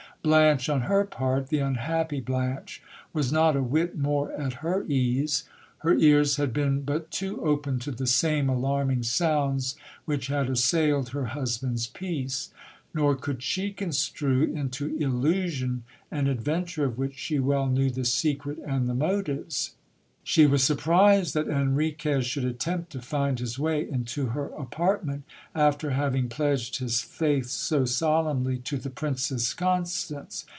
Blanche, on her part, the unhappy Blanche, was not a whit more at her ease. Her ears had been but too open to the same alarming sounds, which had assailed her husband's peace ; nor could she construe into illusion an adventure of which she well knew the secret and the motives. She was surprised that Enriquez should attempt to find his way into her apartment, after having pledged his faith so solemnly to the Princess Constance.